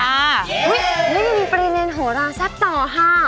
อุ๊ยนี่มีปริเมนโหระแซ่บต่อฮะ